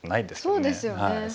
そうですよね。